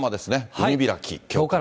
海開き。